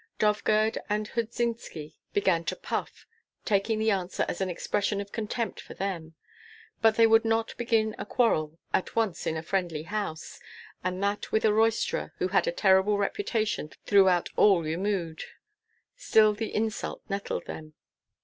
Dovgird and Hudzynski began to puff, taking the answer as an expression of contempt for them; but they would not begin a quarrel at once in a friendly house, and that with a roisterer who had a terrible reputation throughout all Jmud. Still the insult nettled them.